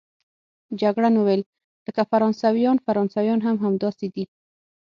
جګړن وویل: لکه فرانسویان، فرانسویان هم همداسې دي.